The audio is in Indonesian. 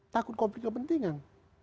takut konflik kepentingan